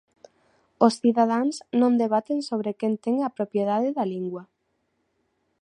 Os cidadáns non debaten sobre quen ten a propiedade da lingua.